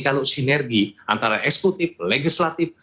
kalau sinergi antara eksekutif legislatif